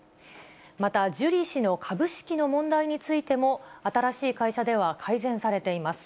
また、ジュリー氏の株式の問題についても、新しい会社では改善されています。